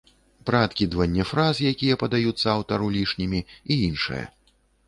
Пра адкідванне фраз, якія падаюцца аўтару лішнімі і іншае.